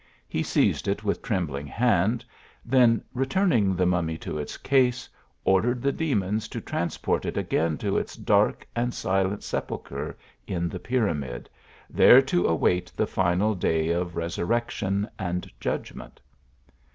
He seized it with trembling hand, then returning the mummy to its case, ordered the de mons to transport it again to its dark and silent sepulchre in the Pyramid, there to await the final day of resurrection and judgment.